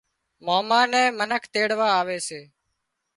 ماما نين منک تيڙوا آوي سي